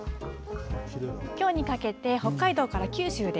きょうにかけて北海道から九州で、